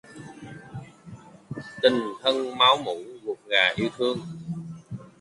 Tình thâm máu mủ ruột rà yêu thương